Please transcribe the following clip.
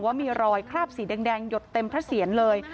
ว่ามีรอยคราบสีแดงหยดเต็มพระเสียรเลย